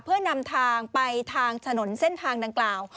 เพื่อนำทางไปทางถนนเส้นทางดังกล่าว